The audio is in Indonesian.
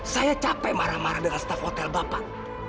saya capek marah marah dengan staf hotel bapak